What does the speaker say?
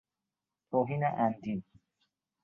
توهین عمدی